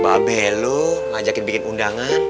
mbak be lu ngajakin bikin undangan